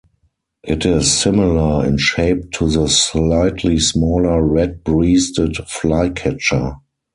It is similar in shape to the slightly smaller red-breasted flycatcher.